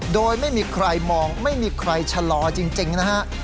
โดยไม่มีใครมองไม่มีใครชะลอจริงนะฮะ